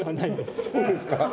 そうですか。